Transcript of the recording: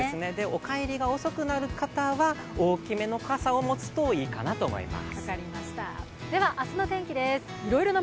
お帰りが遅くなる方は大きめの傘を持つといいかなと思います。